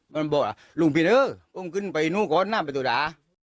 มันบอกลุงพิษเออลุงขึ้นไปนู่ก้อนนั่งไปตู้ด่า